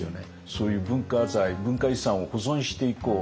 そういう文化財文化遺産を保存していこう。